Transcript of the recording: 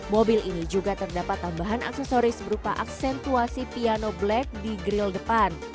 mobil ini juga terdapat tambahan aksesoris berupa aksentuasi piano black di grill depan